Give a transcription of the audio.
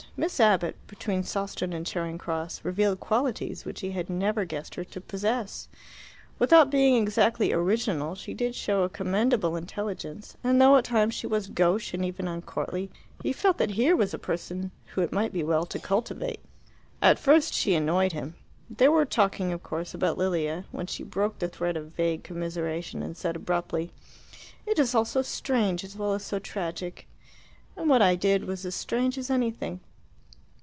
Miss Abbott, between Sawston and Charing Cross, revealed qualities which he had never guessed her to possess. Without being exactly original, she did show a commendable intelligence, and though at times she was gauche and even uncourtly, he felt that here was a person whom it might be well to cultivate. At first she annoyed him. They were talking, of course, about Lilia, when she broke the thread of vague commiseration and said abruptly, "It is all so strange as well as so tragic. And what I did was as strange as anything."